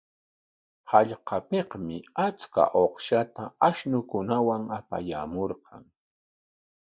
Hallqapikmi achka uqshata ashnunkunawan apayaamurqan.